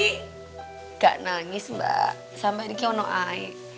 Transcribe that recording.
enggak nangis mbak sampe ini gak ada air